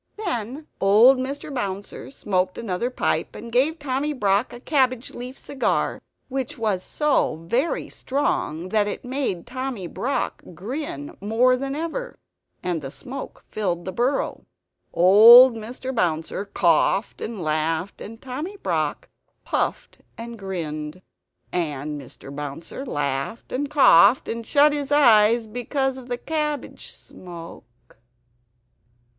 Then old Mr. Bouncer smoked another pipe, and gave Tommy Brock a cabbage leaf cigar which was so very strong that it made Tommy Brock grin more than ever; and the smoke filled the burrow. Old Mr. Bouncer coughed and laughed; and Tommy Brock puffed and grinned. And Mr. Bouncer laughed and coughed, and shut his eyes because of the cabbage smoke